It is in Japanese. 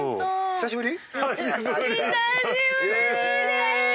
久しぶり！